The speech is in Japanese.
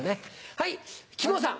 はい木久扇さん。